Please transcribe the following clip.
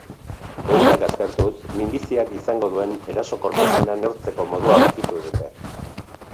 Ehunak aztertuz, minbiziak izango duen erasokortasuna neurtzeko modua aurkitu dute.